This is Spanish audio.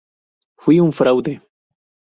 Fui un fraude.